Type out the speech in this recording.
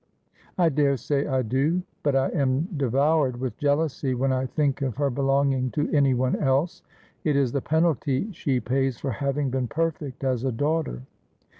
' I daresay I do. But I am devoured with jealousy when I think of her belonging to anyone else. It is the penalty she pays for having been perfect as a daughter.